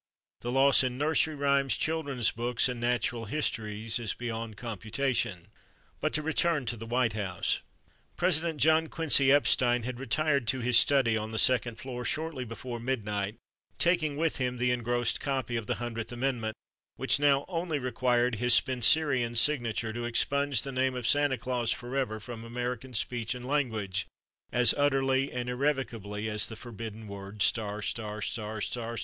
The loss in Nursery Rhymes, children's books, and Natural Histories is beyond computation. But to return to the White House. President John Quincy Epstein had retired to his study on the second floor shortly before midnight, taking with him the engrossed copy of the Hundredth Amendment which now only required his Spencerian signature to expunge the name of Santa Claus forever from the American speech and language as utterly and irrevocably as the forbidden word .